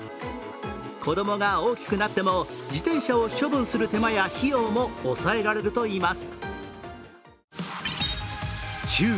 子供が大きくなっても、自転車を処分する手間や費用も抑えられるといいます。